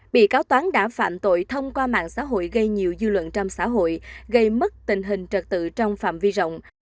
bị cáo toán đã phạm tội thông qua mạng xã hội gây nhiều dư luận trong xã hội gây mất tình hình trật tự trong phạm vi rộng